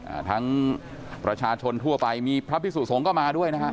อ่าทั้งประชาชนทั่วไปมีพระพิสุสงฆ์ก็มาด้วยนะฮะ